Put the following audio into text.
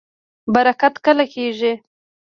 برکت کله کیږي؟